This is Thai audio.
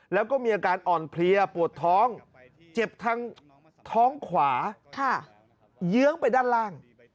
แล้วก็มีอาการอ่อนเพลียปวดท้องเจ็บทางท้องขวาเยื้องไปด้านล่าง